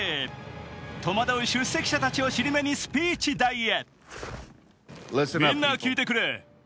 戸惑う出席者を尻目にスピーチ台へ。